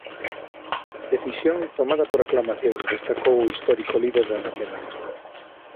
Decisión "tomada por aclamación", destacou o histórico líder do nacionalismo.